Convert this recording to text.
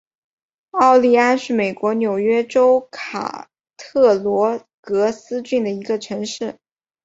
奥利安是美国纽约州卡特罗格斯郡的一个城市。